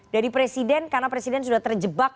dari presiden karena presiden sudah terjebak